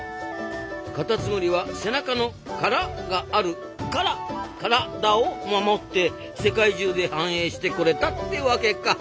カタツムリは背中の殻があるカラからだを守って世界中で繁栄してこれたってわけか。